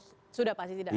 sudah pasti tidak akan